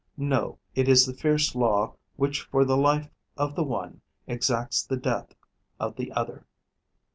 No, it is the fierce law which for the life of the one exacts the death of the other.